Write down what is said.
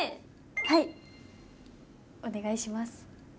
はいお願いします。